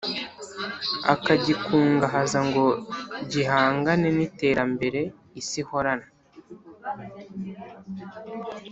akagikungahaza ngo gihangane n’iterambere isi ihorana.